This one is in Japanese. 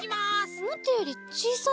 おもったよりちいさいな。